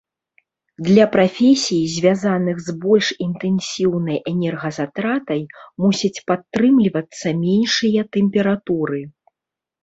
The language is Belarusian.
Для прафесій, звязаных з больш інтэнсіўнай энергазатратай, мусяць падтрымлівацца меншыя тэмпературы.